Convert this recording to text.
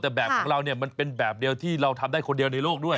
แต่แบบของเราเนี่ยมันเป็นแบบเดียวที่เราทำได้คนเดียวในโลกด้วย